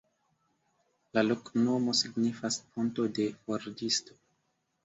La loknomo signifas: ponto de forĝisto.